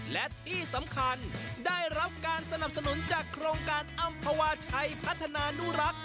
และที่สำคัญได้รับการสนับสนุนจากโครงการอำภาวาชัยพัฒนานุรักษ์